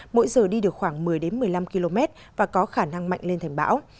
mỗi giờ đi được khoảng một mươi một mươi năm km và có khả năng mạnh lên thành bão